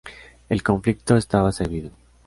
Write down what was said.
El conflicto estaba servido.